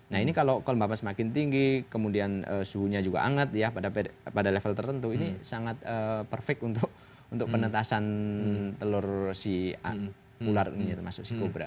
nah ini kalau kelembapan semakin tinggi kemudian suhunya juga hangat ya pada level tertentu ini sangat perfect untuk penetasan telur si ular ini termasuk si kobra